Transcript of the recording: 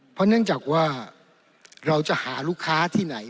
เพราะเนื่องจากว่าเราจะหาลูกค้าที่ไหน